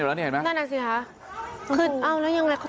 อยู่แล้วเนี้ยเห็นไหมนั่นน่ะสิฮะคือเอาแล้วยังไงเขา